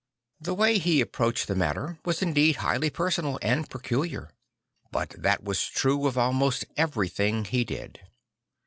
The way he approached the matter was indeed highly personal and peculiar; but that was true of almGst everything he did.